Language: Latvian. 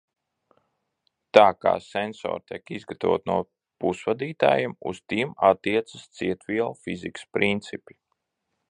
Tā kā sensori tiek izgatavoti no pusvadītājiem, uz tiem attiecas cietvielu fizikas principi.